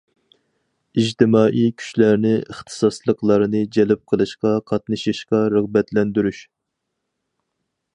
ئىجتىمائىي كۈچلەرنى ئىختىساسلىقلارنى جەلپ قىلىشقا قاتنىشىشقا رىغبەتلەندۈرۈش.